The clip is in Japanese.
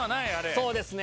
そうですね。